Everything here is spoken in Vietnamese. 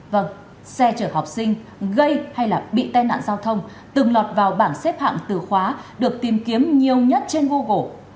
vâng xe chở học sinh gây hay là bị tai nạn giao thông từng lọt vào bảng xếp hạng từ khóa được tìm kiếm nhiều nhất trên google